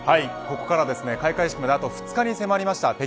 ここから開会式まであと２日に迫りました。